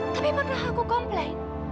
tapi pernah aku komplain